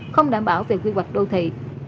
không đảm bảo về quy hoạch đô thị